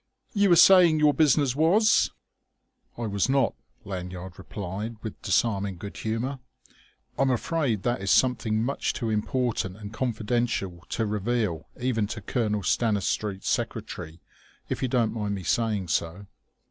"You were saying your business was...?" "I was not," Lanyard replied with disarming good humour. "I'm afraid that is something much too important and confidential to reveal even to Colonel Stanistreet's secretary, if you don't mind my saying so."